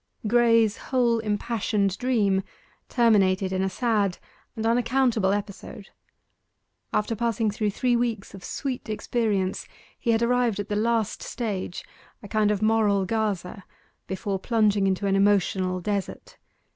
Graye's whole impassioned dream terminated in a sad and unaccountable episode. After passing through three weeks of sweet experience, he had arrived at the last stage a kind of moral Gaza before plunging into an emotional desert.